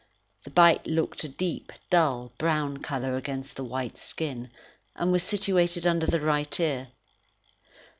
The bite looked a deep, dull brown colour against the white skin, and was situated under the right ear.